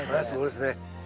そうですね。